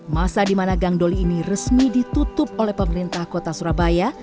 masa di mana gang doli ini resmi ditutup oleh pemerintah kota surabaya